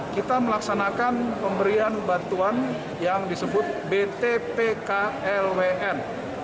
kita melaksanakan pemberian bantuan yang disebut btpk lwn